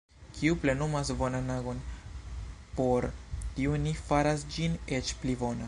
Kiu plenumas bonan agon, por tiu Ni faras ĝin eĉ pli bona.